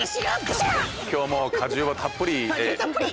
今日も果汁はたっぷりで。